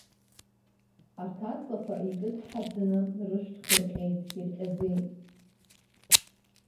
Арҭ аҵлақәа икыдҳаӡаны рышәҭқәа рҟьеит, ирҟьаӡеит.